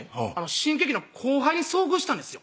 新喜劇の後輩に遭遇したんですよ